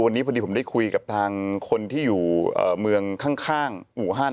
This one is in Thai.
วันนี้พอดีผมได้คุยกับทางคนที่อยู่เมืองข้างอู่ฮั่น